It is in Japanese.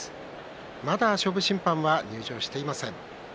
まだ勝負審判は入場していません。